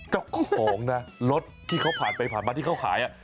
เจ้าของนะรถที่เขาผ่านไปผ่านมาที่เขาขาย